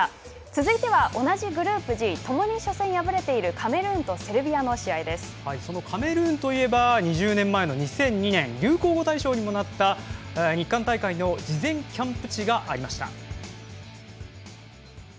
続いては同じグループＧ共に初戦、破れているカメルーンとそのカメルーンと言えば２０年前の２００２年流行語大賞にもなった日韓大会の事前キャンプ地がありました。